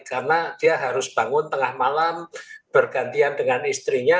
karena dia harus bangun tengah malam bergantian dengan istrinya